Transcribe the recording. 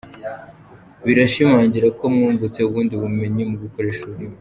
Birashimangira ko mwungutse ubundi bumenyi mu gukoresha ururimi.